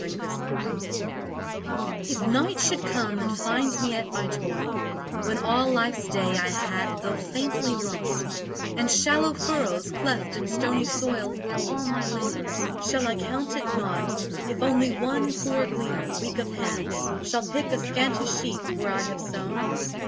In Due Season If night should come and find me at my toil, When all Life's day I had, tho' faintly, wrought, And shallow furrows, cleft in stony soil Were all my labour: Shall I count it naught If only one poor gleaner, weak of hand, Shall pick a scanty sheaf where I have sown?